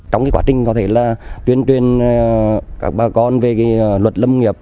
trong quá trình có thể là tuyên truyền các bà con về luật lâm nghiệp